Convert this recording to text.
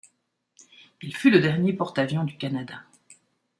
Il fut le dernier porte-avions du Canada.